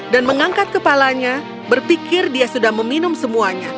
dan mengangkat kepalanya berpikir dia sudah meminum semuanya